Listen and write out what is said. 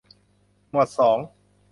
หมวดสอง